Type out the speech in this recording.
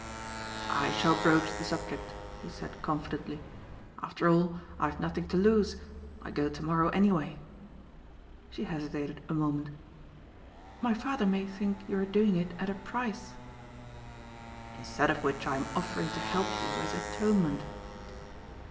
"I shall broach the subject," he said confidently, "after all I have nothing to lose. I go tomorrow anyway." She hesitated a moment. "My father may think you are doing it at a price." "Instead of which I am offering to help you as atonement."